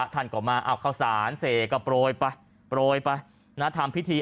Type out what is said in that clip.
ท่านกลับมาข้าวสารเสกกะโปรยปะนัดทำพิธี